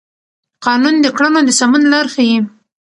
قانون د کړنو د سمون لار ښيي.